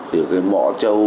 từ cái mọ châu